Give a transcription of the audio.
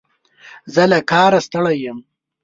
زه له کاره ستړی یم.